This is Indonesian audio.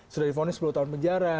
sudah difonis sepuluh tahun penjara